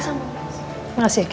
terima kasih ya ki